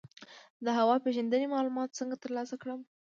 د هوا پیژندنې معلومات څنګه ترلاسه کړم؟